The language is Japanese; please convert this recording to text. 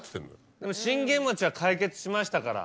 でも信玄餅は解決しましたから。